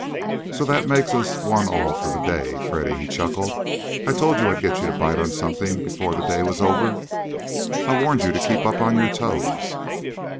"So that makes us one all for the day, Freddy," he chuckled. "I told you I'd get you to bite on something before the day was over. I warned you to keep up on your toes.